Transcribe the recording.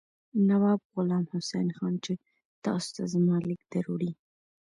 نواب غلام حسین خان چې تاسو ته زما لیک دروړي.